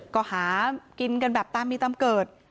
ก็หากินกันแบบตามมีตามเกิด